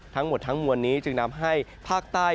ทั้งหมดทั้งมวลนี้จึงนำให้ภาคใต้